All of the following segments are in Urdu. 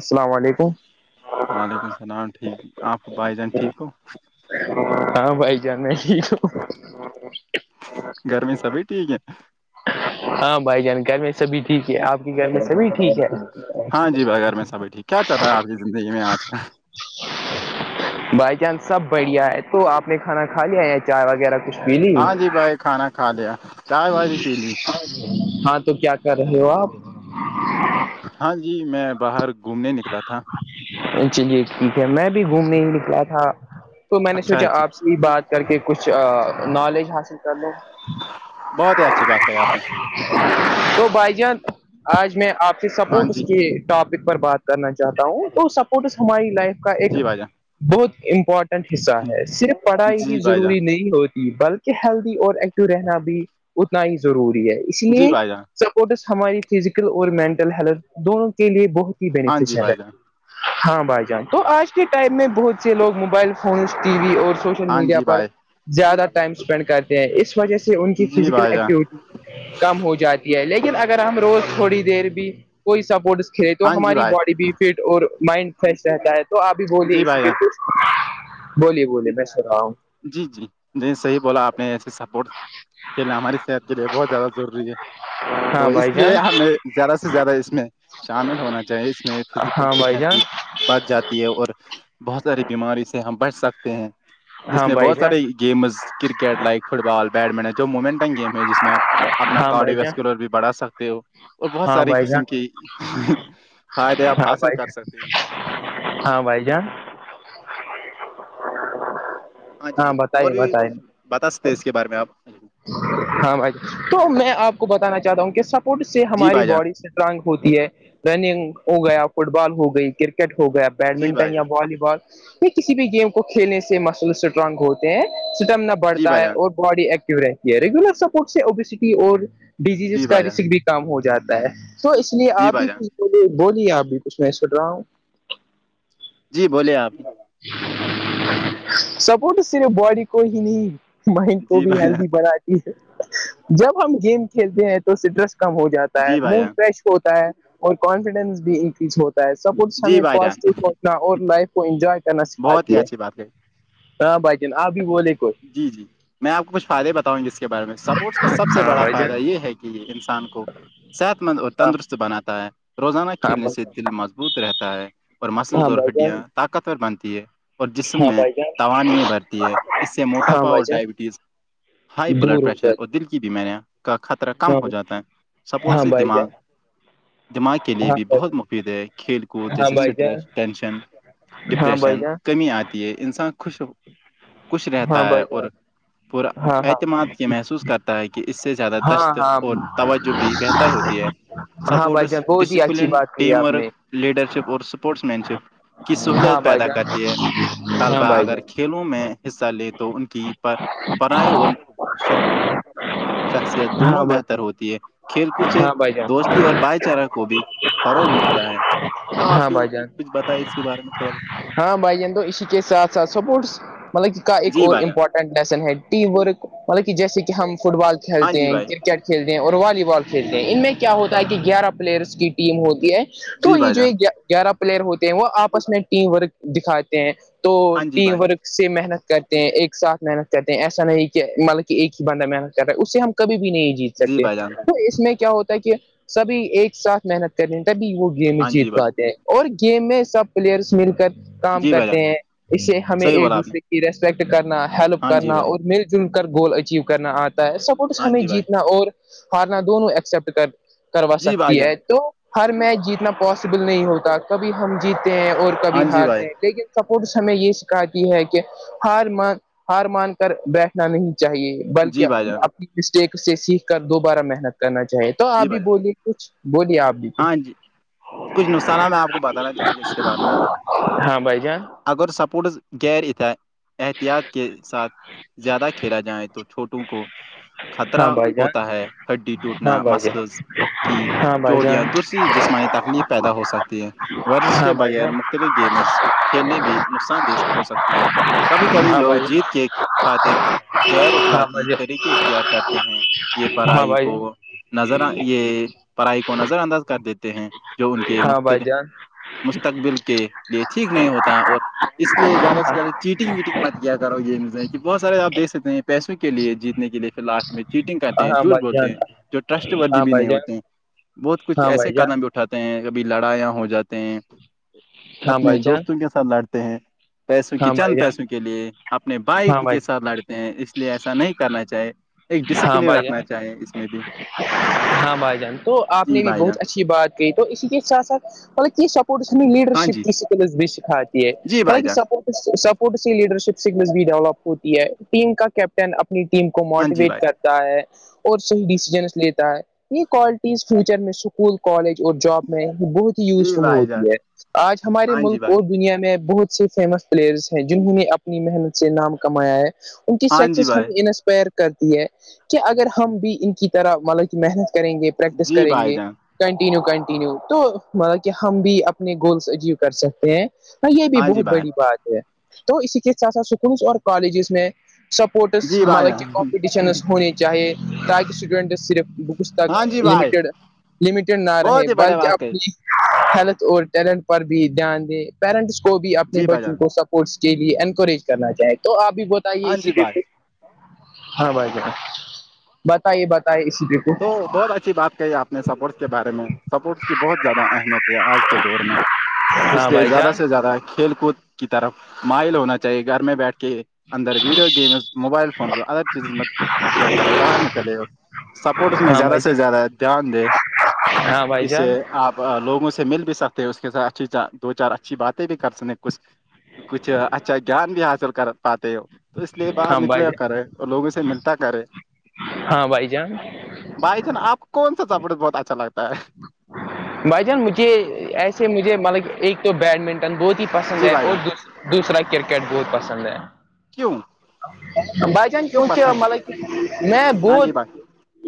السلام علیکم وعلیکم السلام ٹھیک آپ بھائی جان ٹھیک ہو ہاں بھائی جانا ٹھیک ہو گرمی سبھی ٹھیک ہے ہاں بھائی جان گھر میں سبھی ٹھیک ہے آپ کے گھر میں سبھی ٹھیک ہے ہاں جی بغیر میں سبھیٹھیک کیا چل رہا ہے آپ کی زندگی میں آج ک بائی چانس سب بڑھیا ہے تو آپ نے کھانا کھا لیا یا چائے وغیرہ کچھ پی لی ہاں جی بھائی کھانا کھا لیا چائے وائے بھی پی لی ہاں تو کیا کر رہے ہو آپ ہاں جی میں باہر گھومنے نکلا تھا چ چلیے ٹھیک ہے میں بھی گھومنے ہی نکلا تھا تو میں نے اچھا سوچا ہے جی آپ سے بات کر کے کچھ نالج حاصل کر ل بہت ہی اچھی بات کہی آپ نے تو بھائی جان آج میں آپ سے ہاں سپورٹس جی کی ٹاپک پر بات کرنا چاہ چاہتا ہوں تو سپورٹس ہماری لائف کا ایک جی بھائی بہت امپورٹنٹ حصہ جان ہے صرف پڑھائی ہی جی بھائی جان ضروری نہیں ہوتی بلکہ ہیلدی اور ایک رہنا بھی اتنا ہی ضروری ہے اس جی لیے بھائی جان سپورٹس ہماری فزیکل اور مینٹل ہیلتھ دونوں کے لیے بہت ہی ہاں جی بینیفیشیل ہے بھائی جان ہاں بھائی جان تو آج کے ٹائم میں بہت سے لوگ موبائل فونس ٹی وی اور سوشل ہاں میڈیا جی پر بھائی زیادہ ٹائم اسپینڈ کرتے ہیں اس وجہ سے ان کی جی فزیکل بھائی جان ایکٹیویٹی کم ہو جاتی ہے لیکن اگر ہم روز تھوڑی دیر بھی کوئی سپورٹس کھیلے تو ہاں جی ہماری بھائی باڈی بھی فٹ اور مائنڈ فریش رہتا ہے تو آپ بھی بولیے جی اسی بھائی جان پہ کچھ بولیے بولیے میں سو رہا ہوں جی جی نہیں صحیح بولا آپ نے ایسے سپورٹ کھیلنا ہماری صحت کے لیے بہت زیادہ ضروری ہے تو ہاں بھائی اس جان لیے ہمیں زیادہ سے زیادہ اس میں شامل ہونا چاہیے اس میں فزیکل ہاں بھائی فٹنس جان بھی بڑھ جاتی ہے اور بہت ساری بیماری سے ہم بچ سکتے ہیں اس ہاں میں بھائی بہت جان سارے گیمز کرکٹ لائک فٹ بال بیڈمنٹن جو مومنٹنگ گیم ہیں جس میں آپ اپنا ہاں کارڈو بھائی جان ویسکولر بھی بڑھا سکتے ہو اور بہت ہاں ساری بھائی جان قسم کی فائدے آپ ہاں حاصل بھائی کر جان سکتے ہیں اس سے ہاں بھائی جان جی ہاں اور بتائیے بھی بتائی کچھ بتا سکتے ہیں اس کے بارے میں آپ ہاں بھائی ج تو میں آپ کو بتانا چاہتا ہوں کہ سپورٹ سے جی ہماری بھائی جان باڈی سے ہوتی ہے رننگ ہو گیا فٹ بال ہو گئی کرکٹ ہو گیا جی بھائی بیڈمنٹن یا جان والی بال یہ کسی بھی گیم کو کھیلنے سے مسل اسٹرانگ ہوتے ہیں اسٹمنا جی بڑھتا بھائی ہے جان اور باڈی ایکٹو رہتی ہے ریگولر سپورٹ سے اوبیسٹی اور جی ڈیزیزز کا بھائی جان رسک بھی کام ہو جاتا ہے تو اس لیے جی آپ بھائی بھی جان کچھ بے بولیے آپ بھی کچھ میں سٹ رہا ہوں جی بولیے آپ سپورٹ صرف باڈی کو ہی نہیں مائنڈ کو جی بھی بھائی جان ہیلدی بناتی ہے جب ہم گیم کھیلتے ہیں تو اسٹریس کم ہو جاتا ہے جی بھائی موڈ جان فریش ہوتا ہے اور کانفیڈنس بھی انکریز ہوتا ہے سپورٹس جی ہمیں بھائی جان پازیٹیو ہونا اور لائف کو انجوائے کرنا بہت ہی سکھاتی ہے اچھی بات کہی ہاں بھائی جن آپ بھی بولے کوئی جی جی میں آپ کو کچھ فائدے بتاؤںی جس کے بارے میں سپورٹس کا سب سے ہاں بڑا بھائی فائدہ جان یہ ہے کہ کہ یہ انسان کو صحت مند اور ہاں تندرست بناتا ہے روزانہ کھیلنے ہاں سے دل مضبوط رہتا ہے اور مسلز ہاں اور بھائی ہڈیاں جان طاقتور بنتی ہے اور جسم ہاں میں بھائی جان توانائی بھر ہے اس سے ہاں موٹاپا بھائی اور جان ڈائبٹیز ہائی بلڈ دور ہو پریشر اور جائے دل کی بھی میں نے کا خطرہ کم ہاں ہو جاتا ہے سپورٹ ہاں سے بھائی دماغ جان دماغ کے لیے ہاں بھی بھائی بہت جان مفید ہے کھیل کود ہاں جیسے بھائی جان اسٹریس ٹینشن ہاں ڈپریشن بھائی جان کمی آتی ہے انسان خوش خوش رہتا ہاں ہے بھائی اور جان ہاں ہاں اعتماد یہ محسوس کرتا ہے کہ اس سے زیادہ ہاں دشت اور ہاں توجہ جو بھی بہتر ہوتی ہے ہاں بائی سپورٹس جان بہت ہی اچھی ڈسپلن بات کہی ٹیم آپ نے ورک لیڈرشپ اور سپورٹس مین شپ کی ہاں سہلیت بھائی پیدا جان کرتی ہے ہاں طلبا بھائی اگر جان کھیل وں میں حصہ لیں تو ان کی پائی اور شکتی شخصیت ہاں دونوں بھائی بہتر جان ہوتی ہے کھیل کود سے ہاں بھائی جان دوستی اور بھائی چارہ کو بھی فروغ ملتا ہے تو آپ ہاں بھی بھائی جان کچھ بتیں اس کے بارے میں تھوڑا بہت ہاں بھائی جان تو اسی کے ساتھ ساتھ سپورٹس مطلب کا ایک جی اور بھائی جان امپورٹ سن ہے ٹیم ورک مطلب کہ جیسے کہ ہم فٹ بال ہاں کھیلتے جی ہیں بھائی کرکٹ کھیلتے ہیں اور والی بال کھیلتے ہیں ان میں کیا ہوتا ہے کہ گیارہ پلیئرس کی ٹیم ہوتی ہے تو جی یہ بھائی جو جان گیارہ پلیئر ہوتے ہیں وہ آپس میں ٹیم ورک دکھاتے ہیں تو ہاں جی بھائی ٹیم ورک سے محنت کرتے ہیں ایک ساتھ محنت کرتے ہیں ایسا نہیں کہ مطلب کہ ایک ہی بندہ محنت کر رہا ہے اس سے ہم کبھی بھی نہیں جیت جی سکتے بھائی جان ہیں تو اس میں کیا ہوتا ہے کہ سبھی ایک ساتھ محنت کرنی تبھی وہ گیم ہاں جی جیت پ بھائی آتے ہیں اور گیم میں سب پلیئرس مل کر کام جی بھائی جان کرتے ہیں اس سے ہمیں صحیح ایک بولا آپ نے دوسرے کی ریسپیکٹ کرنا ہیلپ ہاں جی کرنا بھائی اور مل جن کر گول اچیو کرنا آتا ہے سپورٹس ہاں ہمیں جی بھائی جیتنا اور ہارنا دونوں ایکسپٹ کر کروا جی سکتے بھائی جان تو ہر میچ جیتنا پاسبل نہیں ہوتا کبھی ہم جیتے ہیں اور کبھی ہاں جی ہارتے بھائی ہیں لیکن سپورٹس ہمیں یہ سکھاتی ہے کہ ہار مان ہار مان کر بیٹھنا نہیں چاہیے بلکہ جی بھائی جان اپنی مسٹیک سے سیکھ کر دوبارہ محنت کرنا چاہیے تو آپ جی بھی بھائی جان بولیے کچھ بولیے آپ بھی ہاں کچھ جی کچھ نخانہ میں آپ کو بتانا چاہوں گی اس کے بارے میں ہاں بھائی جان اگر سپورٹس گغیر ات احتیاط کے ساتھ زیادہ کھیلا جائے تو چھوٹوں کو خطرہ ہاں بھائی جان ہوتا ہے ہڈی ہاں ٹوٹنا بھائی جان مثلز کی ہاں بھائی چوٹ یا جان دوسری جسمانی تخلیف پیدا ہو سکتی ہے ورزش ہاں کے بھائی بغیر جان مختلف گیمز کھیلنے بھی نقصان دہ ہو سکتی ہے کبھی کبھی ہاں لوگ بھائی جیت کے خاطر غیر جان اخلاقی طریقے اختیار کرتے ہیں یہ ہاں پرڑھائی بھائی کو جان نظر یہ پڑھائی کو نظر انداز کر دیتے ہیں جو ان کے ہاں بھائی مختلف جان مستقبل کے لیے ٹھیک نہیں ہوتا اور اس لیے زیادہ سے زیادہ چیٹنگ ویٹنگ مت کیا کرو یہ نز کہ بہت سارے آ دیک سکتے ہیں پیسوں کے لیے جیتنے کے لیے پھر لاسٹ میں چیٹنگ کرتے ہیں ہاں جھوٹ بھائی بولتے ہیں جان جو ٹرسٹ وردی ہاں بھی بھائی نہیں جان ہوتے ہیں بہت کچھ ہاں ایسے بھائی جان قدم بھی اٹھاتے ہیں کبھی لڑایاں ہو جاتے ہیں ہاں اپنے بھائی جان دوستوں کے سھ سات لڑتے ہیں پیسوں کے ہاں چند بھائی جان پیسوں کے لیے اپنے بائک ہاں بھائی جان ہاں بھائی کے ساتھ لڑتے اس لیے ایسا نہیں کرنا چاہے ایک ہاں ڈسپلین بھائی جان رکھنا چاہے اس میں بھی ہاں بھائی جان تو آپ جی نے بھی بھائی بہت جان اچھی بات کہ تو اسی کے ساتھ ساتھ ملب سب میں لیڈر ہاں شپ جی کی اسکلز بھی سکھاتی ہے جی بھائی بقی جان سپورٹس سپورٹ س لیڈرشپ اسکلس بھی ڈیولپ ہوتی ہے ٹیم کا کیپٹن اپنی ٹیم کو ہاں جی ویٹ بھائی کرتا ہے اور صحیح ڈیسیزنس لیتا ہے یہ کوالٹیز فیوچر میں اسکول کالج اور جاب میں بہت جی یوزفل بھائی جان ہوتی ہے آج ہمارے ہاں جی ملک بھائی کو بھی دنیا میں بہت سے فیمس پلیئرس ہیں جنہوں نے اپنی محنت سے نام کمایا ہے ان کی ہاں جی سکسیس بھائی ہمیں انسپائر کرتی ہے کہ اگر ہم بھی ان کی طرح ملب محنت کریں گے پریکٹس جی کریں بھائی گے جان کنٹینیو کنٹینیو تو مطلب کہ ہم بھی اپنے گولس اچیو کر سکتے ہیں یہ بھی ہاں جی بہت بھائی بڑی بات ہے تو اسی کے ساتھ ساتھ اسکولس اور کالجز میں سپورٹس جی بھائی مطلب کہ جان کمپٹیشنز ہونے چاہیے تاکہ اسٹوڈنٹس صرف پک ہاں جی بھائی لٹڈ لمیٹڈ نہ رہے بہت ہی بڑے بلکہ بات ہے اپنی ہیلتھ اور ٹیلنٹ پر بھی دھیان دیں پیرنٹس کو بھی اپنے جی بھائی بچوں جان کو سب اسپٹس کے لیے انکریج کرنا چاہے تو آپ بھی بتائیے ہاں جی اسیے بھائی سے ہاں بھائی جان بتائیے بتے اسی کے کو تو بہت اچھی بات کہی آپ نے سپورٹس کے بارے میں سپورٹس کی بہت زیادہ اہمیت ہے آج کے دور میں تو اس ہاں لیے بھائی زیادہ جان سے زیادہ کھیل کود کی طرف مائل ہونا چاہیے گھر میں بیٹھ کے اندر video games mobile phones other چیزز م کیا کرے باہر نکلے سپورٹس میں ہاں زیادہ بھائی سے جان زیادہ دھیان دے ہاں بھائی اسے جان آپ لوگوں سے مل بھی سکتے ہیں اس کے سھ اچھی دو چار اچھی باتیں بھی کر سنے کچھ کچھ اچھا گان بھی حاصل کر پاتے ہو تو اس لیے باہر ہاں بھائی نکلے جان کرے اور لوگوں سے ملتا کرے ہاں بھائی جان بھائی جان آپ کون سا چپڑے بہت اچھا لگتا ہے بھائی جان مجھے ایسے مجھے مطلب ایک تو بیڈمنٹن بہت ہی پسند جی ہے بھائی اور جان دوسری دوسرا کرکٹ بہت پسند ہے کیوں بج جان کیوں کیونکہ پسند مطلب میں ہاں جی بھت بھائی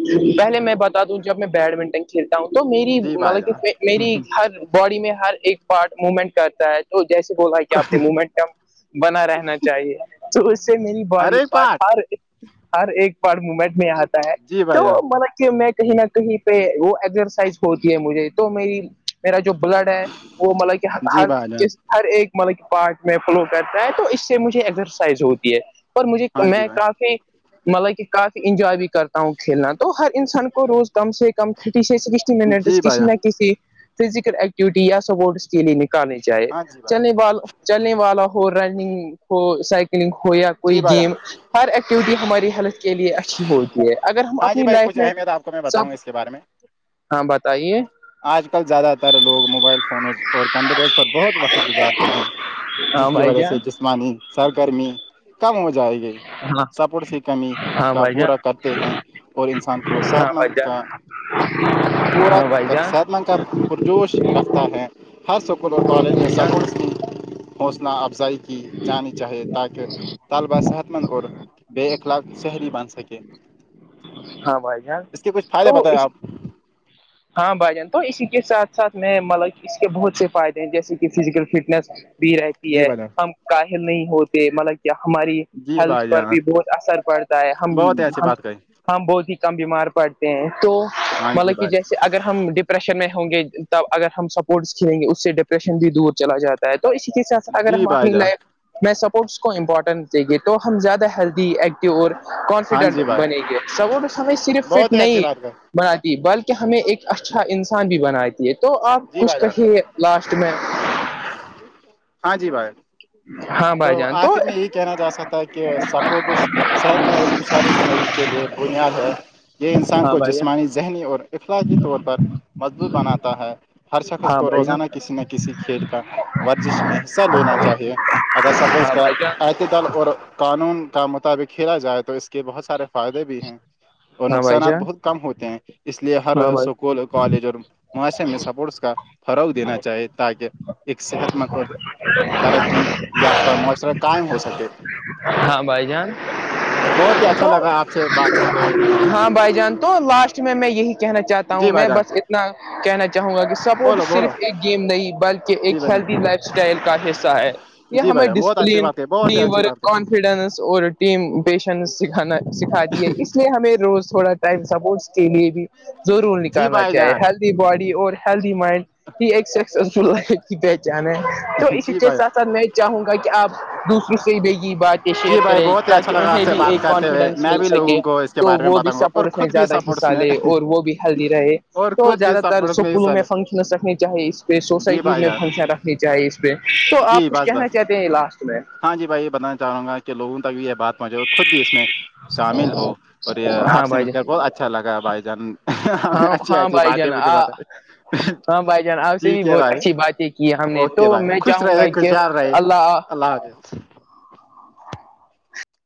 [inaudible] پہلے میں بتا دوں جب میں بیڈمنٹن کھیلتا ہوں تو میری جی بھائی مطلب کہ جان میری ہر باڈی میں ہر ایک پارٹ موومنٹ کرتا ہے تو جیسے بو رہا ہے کہ آپ نے موومنٹ کم بنا رہنا چاہیے تو اس سے میری ہر باڈی ایک پارٹ ہر ہر ایک پار موومنٹ میں یہاں تھا جی بھائی ج میں کہیں نہ کہیں پہ وہ ایکگزرسائز ہوتی ہے مجھے تو میری میرا جو بلڈ ہے وہ مطلب کہ جی ہر بھائی جان کس ہر ایک مطلب کہ پارٹ میں فلو کرتا ہے تو اس سے مجھے ایکسرسائز ہوتی ہے پر مجھے ہاں جی میں بھائی کافی مطلب کہ کافی انجوائے بھی کرتا ہوں کھیلنا تو ہر انسان کو روز کم سے کم تھرٹی سےک جی نیٹس بھائی کسی جان نہ کسی فزیکل ایکٹیوٹی یا سپورٹس کے لیے نکل کرنی چاہیے ہاں جی بھائی چلنے وال چلنے والا ہو رنگ ہو سائل ہو یا جی کوئی بھائی جان گیم ہر ایکٹیویٹی ہماری ہیلتھ کے لیے اچھی ہوتی ہے اگر ہم اپنی لائف میں آ کو میں بتاؤںا سب اس کے بارے میں ہاں بتائیے آج کل زیادہ تر لوگ موبائل فون اور کمپیوٹرس پر بہت وقت گزارتے ہیں ہاں جس کی بھائی وجہ سے جان جس جسمانی سرگرمی کم ہو جائے گی ہاں سپٹ س کمی ہاں کا بھائی پورا جان کرتے ہیں اور انسان کو ہاں صحت مند بھائی جان کا پورا ہاں بھائی جان ستم کا [inaudible] پرجوش رکھتا ہے ہر اسکول اور کالج میں بھائی جان سپورٹس کی حوصلہ افزائی [inaudible] کی جانی چاہیے تاکہ [inaudible] طالبہ صحت مند اور بے اخلاق سحری بن سکے ہاں بھائی جان اس کے کچھ فائدے تو بتائیں اس آپ ہاں بھائی جان تو اسی کے ساتھ ساتھ میں مطلب اس کے بہت سے فائدے ہیں جیسے کہ فزیکل فٹنس بھی رہتی جی ہے بھائی جان ہم کااہل نہیں ہوتے مطلب ہماری جی ہیلتھ بھائی پر جان بھی بہت اثر پڑتا ہے ہم بہت ہی اچھی ہم بات کہی ہم بہت ہی کم بیمار پڑتے ہیں تو ہاں جی مطلب کہ جیسے بھائی اگر ہم ڈپریشن میں ہوں گے تب اگر ہم سپورٹس کھیلیں گے اس سے ڈپریشن بھی دور چلا جاتا ہے تو اسی لیے اگر جی ہم بھائی اپنی جان لائف میں سپورٹس کو امپورٹنٹ چاہے تو ہم زیادہ ہیلدی ایکٹو اور ہاں کانفیڈنٹ جی بھائی بنیں گے س ہمیں صرف فٹ بہت اچھی نہیں بات ہے بناتی ہے بلکہ ہمیں ایک اچھا انسان بھی بناتی ہے تو آپ جی کچھ بھائی جان کہیے لاسٹ میں ہاں جی بھائی ہاں بھائی تو جان آخر میں یہی کہنا جا سکتا ہے کہ سپورٹس صحت مند اور خوشحالی زندگی کے لیے بنیاد ہے یہ انسان ہاں کو بھائی جان جسمانی ذہنی اور اخلاقی طور پر مضبوط بناتا ہے ہر شخص ہاں کو بھائی روزانہ جان کسی نہ کسی کھیل کا ورزش میں حصہ لینا چاہیے اگر سفر اس ہاں کا بھائی جان اعتتل اور قانون کا مطابق کھیلا جائے تو اس کے بہت سارے فائدے بھی ہیں اور ہاں بھائی نقصانات جان بہت کم ہوتے ہیں اس لیے ہر ہاں بھائی اسکول کالج اور معاشرے میں سپورٹس کا فروغ دینا چاہے تاکہ ایک صحت مند اور ترقی یا پرھر معاشرہ قائم ہو سکے ہاں بھائی جان بہت ہی اچھا تو لگا آپ سے بات کرتے ہوئے ہاں بھائی جان تو لاسٹ میں میں یہی کہنا چاہتا ہوں جی بھائی میں جان بس اتنا کہنا چاہوں گا کہ سپورٹ بولو بولو صرف ایک گیم نہیں بلکہ جی ایک بھائی ہیلدی جان لائف اسٹائل کا حصہ ہے یہ جی ہمیں بھائی جان بہت اچھی ڈسپلین بات ہے بہت ہی ٹیم اچھی ورک بات ہے فیڈنس اور ٹیم پیشنس سکھانا سکھاتی ہے اس لیے ہمیں روز تھوڑا ٹائم سپورٹس کے لیے بھی ضرور جی نکالنا بھائی چاہے جان ہل باڈی اور ہیلدی مائنڈ ہی ایک سکسیزفل لائف کی پہچان ہے تو اسی جی کے بھائی ساتھ ساتھ میں چاہوں گا کہ آپ دوسروں سے بھی یہ بات شیئر جی بھائی کرے بہت ہی اچھا تاکہ لگا آپ انہیں سے بھی بات ایک کرتے ہوئے کانفیڈنس میں مل بھی سکے لوگوں کو اس کے تو بارے میں وہ بھی بتاؤں گا سب اور خود بھی زیادہ سپورٹس حصہ میں لے اور وہ بھی ہیلدی رہے اور تو خود بھی زیادہ تر سپورٹس سکولوں حصہ میں لے فنکشنس رکھنی چاہی جی سوسائٹیز بھائی میں جان پھنسا رکھنی چاہے اس پہ تو آپ جی کچھ بس کہنا بس چاہتے ہیں لاسٹ میں ہاں جی بھائی بتانا چاہوں گا لوگوں تک بھی یہ بات پہنچے اور خود بھی اس میں شامل ہو اور یہ آپ ہاں سے بھائی مل کر جان بہت اچھا اچھا لگا بائی جان ہم ہاں اچھی ہاں اچھی بھائی باتیں مجھے جان بتائی ہاں بھائی جان آپ سے بھی ٹھیک ہے بہت بھائی اچھی باتیں کی ہم نے اوکے تو بھائی میں خوش چاہوں رہے گا کہ خوشیار رہے اللہ حافظ